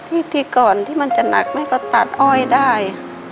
ที่ปีก่อนที่มันจะหนักแม่ก็ตัดอ้อยได้